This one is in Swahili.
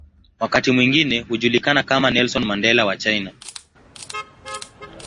Wakati mwingine hujulikana kama "Nelson Mandela wa China".